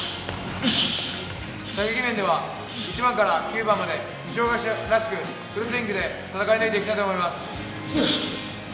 打撃面では１番から９番まで二松学舎らしくフルスイングで戦い抜いていきたいと思います。